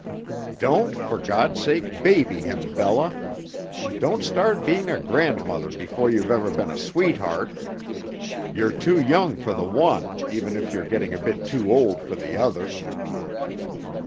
Don't, for God's sake, baby him, Bella. Don't start being a grandmother before you've ever been a sweetheart. You're too young for the one even if you're getting a bit too old for the other!"